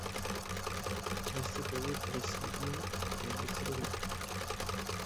Éste juego prescindía del extra de la mansión de Lara.